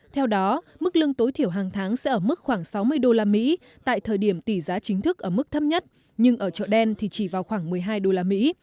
theo đó mức lương tối thiểu hàng tháng sẽ ở mức khoảng sáu mươi đô la mỹ tại thời điểm tỷ giá chính thức ở mức thấp nhất nhưng ở chợ đen thì chỉ vào khoảng một mươi hai đô la mỹ